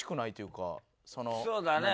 そうだね。